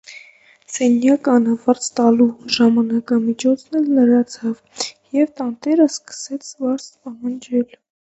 Սենյակը անվարձ տալու ժամանակամիջոցն էլ լրացավ, և տանտերը սկսեց վարձ պահանջել: